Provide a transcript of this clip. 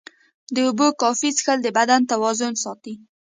د اوبو کافي څښل د بدن توازن ساتي.